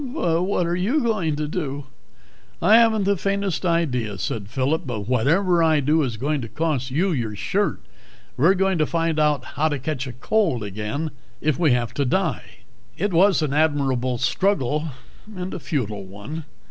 "But what are you going to do?" "I haven't the faintest idea," said Phillip, "but whatever I do is going to cost you your shirt. We're going to find out how to catch cold again if we have to die." It was an admirable struggle, and a futile one.